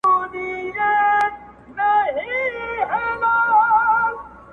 زما غزل تې ستا له حُسنه اِلهام راوړ,